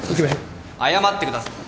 謝ってください。